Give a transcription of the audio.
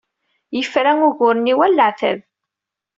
Yefra ugur-nni war leɛtab.